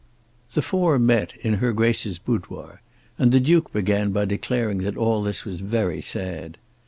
The four met in her Grace's boudoir, and the Duke began by declaring that all this was very sad.